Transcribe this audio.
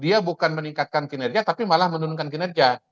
dia bukan meningkatkan kinerja tapi malah menurunkan kinerja